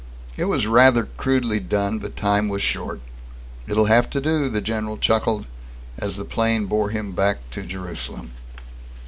It was rather crudely done, but time was short. "It'll have to do," the general chuckled, as the plane bore him back to Jerusalem.